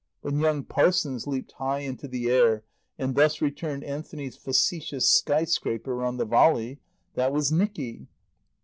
When young Parsons leaped high into the air and thus returned Anthony's facetious sky scraper on the volley, that was Nicky.